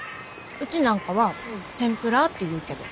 うちなんかはてんぷらーって言うけど。